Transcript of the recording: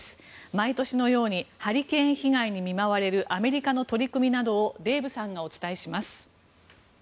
毎年のようにハリケーン被害に見舞われるアメリカの取り組みなどをデーブさんがお伝えします。